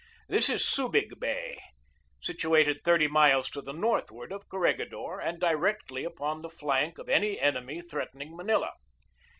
This is Subig Bay, situated thirty miles to the northward of Corregidor and di rectly upon the flank of any enemy threatening Ma nila.